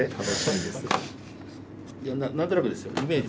いやな何となくですよイメージ。